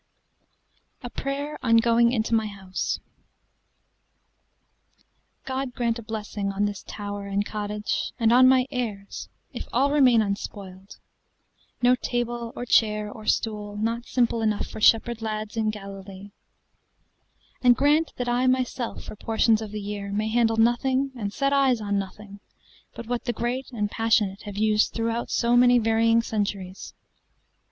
A Prayer on going into my House GOD grant a blessing on this tower and cottageAnd on my heirs, if all remain unspoiled, No table, or chair or stool not simple enoughFor shepherd lads in Galilee; and grantThat I myself for portions of the yearMay handle nothing and set eyes on nothingBut what the great and passionate have usedThroughout so many varying centuries.